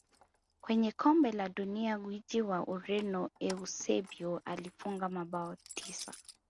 Kwenye kombe la dunia gwiji wa ureno eusebio alifunga mabao tisa